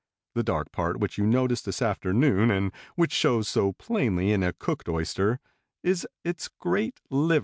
The dark part which you noticed this afternoon and which shows so plainly in a cooked oyster is its great liver."